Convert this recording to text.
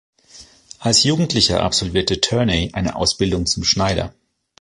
Als Jugendlicher absolvierte Turney eine Ausbildung zum Schneider.